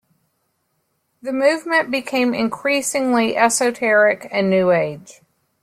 The movement became increasingly esoteric and New Age.